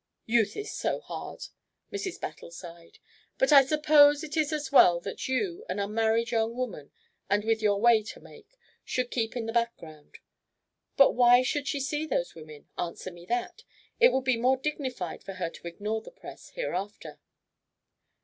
"Youth is so hard!" Mrs. Battle sighed. "But I suppose it is as well that you, an unmarried young woman, and with your way to make, should keep in the background. But why should she see those women? Answer me that. It would be more dignified for her to ignore the press hereafter."